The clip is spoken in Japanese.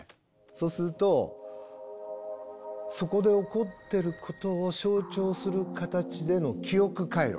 そうするとそこで起こってることを象徴する形での記憶回路。